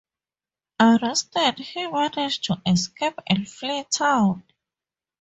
Arrested he manages to escape and flee town.